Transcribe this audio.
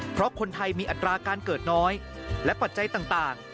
เพราะคนไทยมีอัตราการเกิดน้อยและปัจจัยต่าง